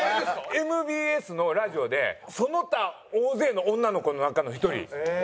ＭＢＳのラジオでその他大勢の女の子の中の１人。